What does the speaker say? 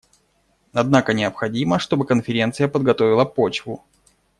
Однако необходимо, чтобы Конференция подготовила почву.